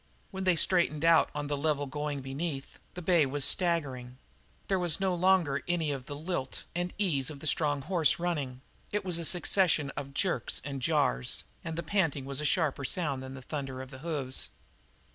When they straightened out on the level going beneath, the bay was staggering; there was no longer any of the lilt and ease of the strong horse running; it was a succession of jerks and jars, and the panting was a sharper sound than the thunder of the hoofs.